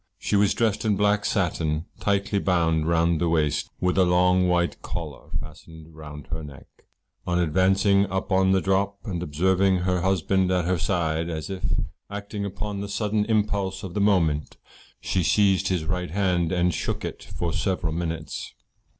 She was dressed in black satin, tightly bound round the waist, with a long white collar fastened round her neck. On advancing up on the drop, and observing her husband at her side, as if acting upon the sudden impulse of the moment, she seized his right hand and shook it for several minutes.